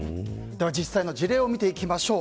実際の事例を見ていきましょう。